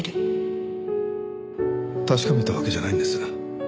確かめたわけじゃないんです。